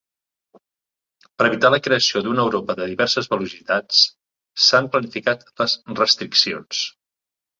Per evitar la creació d'una Europa de diverses velocitats, s'han planificat les restriccions.